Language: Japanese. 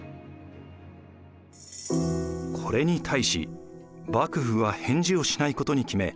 これに対し幕府は返事をしないことに決め